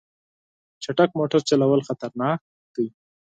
چټک موټر چلول خطرناک دي.